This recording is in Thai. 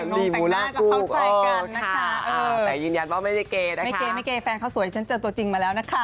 นี่ใช่ป่ะ